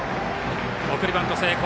送りバント成功。